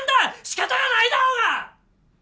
しかたがないだろうが！